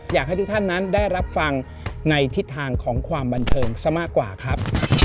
อยากให้ทุกท่านนั้นได้รับฟังในทิศทางของความบันเทิงซะมากกว่าครับ